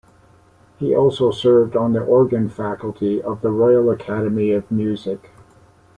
He also served on the organ faculty of the Royal Academy of Music.